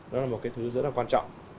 nó là một cái thứ rất là quan trọng